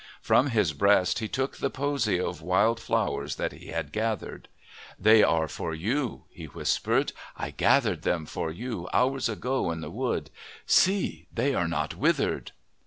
From his breast he took the posy of wild flowers that he had gathered. "They are for you," he whispered. "I gathered them for you hours ago, in this wood. See! They are not withered."